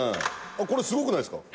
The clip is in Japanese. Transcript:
これすごくないですか？